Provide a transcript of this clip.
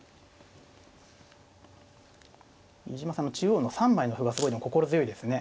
飯島さんの中央の３枚の歩がすごい心強いですね。